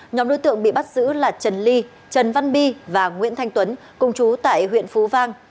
nhóm đối tượng bị bắt giữ là trần ly trần văn bi và nguyễn thanh tuấn cùng chú tại huyện phú vang